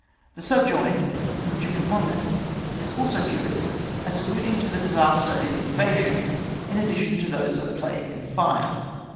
The sulyoined, from the Duke of Mon mouth, is also curious, as alluding to the disaster of invasion, in addition to those of plague and hre.